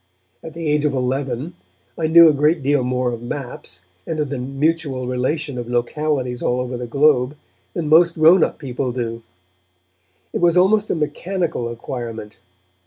At the age of eleven, I knew a great deal more of maps, and of the mutual relation of localities all over the globe, than most grown up people do. It was almost a mechanical acquirement.